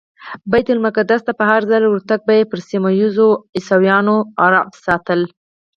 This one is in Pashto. بیت المقدس ته په هرځل ورتګ به یې پر سیمه ایزو عیسویانو رعب ساتل.